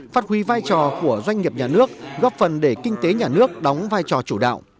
phát huy vai trò của doanh nghiệp nhà nước góp phần để kinh tế nhà nước đóng vai trò chủ đạo